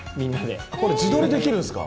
あっこれ自撮りできるんすか。